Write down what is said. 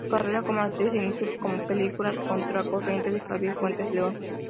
Su carrera como actriz se inició con la película "Contracorriente" de Javier Fuentes León.